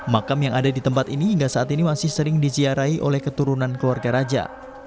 makam yang ada di tempat ini hingga saat ini masih sering diziarai oleh keturunan keluarga raja